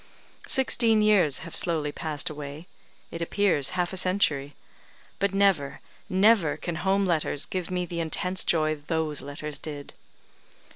Sixteen years have slowly passed away it appears half a century but never, never can home letters give me the intense joy those letters did.